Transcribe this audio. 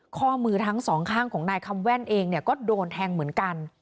ข้อมือทั้งสองข้างของนายคำแว่นเองเนี่ยก็โดนแทงเหมือนกัน